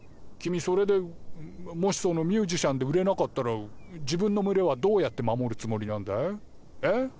君それでもしそのミュージシャンで売れなかったら自分の群れはどうやって守るつもりなんだい？え？